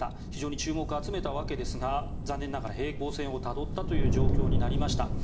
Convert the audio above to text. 非常に注目を集めたわけですが残念ながら平行線をたどったという状況になりました。